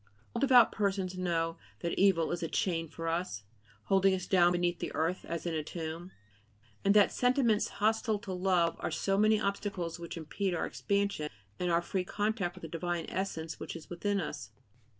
All devout persons know that evil is a "chain" for us, holding us down beneath the earth as in a tomb, and that sentiments hostile to love are so many obstacles which impede our expansion and our free contact with the divine essence which is within us.